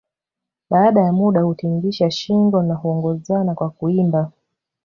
Baada ya muda hutingisha shinngo na huongozana kwa kuimba